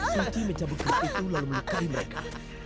suji mencabut keris itu lalu melekali mereka